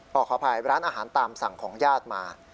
ขออภัยร้านอาหารตามสั่งของญาติมา